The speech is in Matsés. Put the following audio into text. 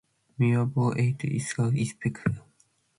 midambo aid icsa icpec ?